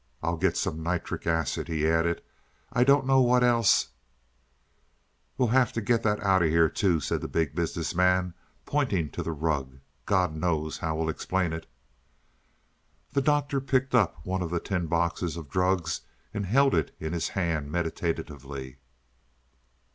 "I'll get some nitric acid," he added. "I don't know what else " "We'll have to get that out of here, too," said the Big Business Man, pointing to the rug. "God knows how we'll explain it." The Doctor picked up one of the tin boxes of drugs and held it in his hand meditatively.